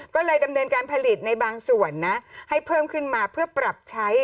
ก็เลยดำเนินการผลิตในบางส่วนนะให้เพิ่มขึ้นมาเพื่อปรับใช้